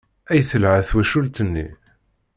Ay telha twacult-nni!